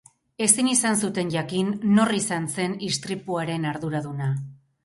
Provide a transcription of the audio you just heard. Ezin izan zuten jakin nor izan zen istripuaren arduraduna.